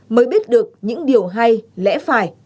mới biết được những điều hay lẽ phải